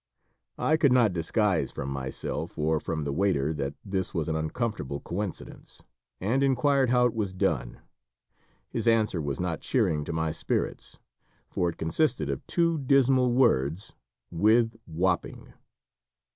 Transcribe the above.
I could not disguise from myself, or from the waiter, that this was an uncomfortable coincidence, and inquired how it was done. His answer was not cheering to my spirits, for it consisted of two dismal words, "With whopping."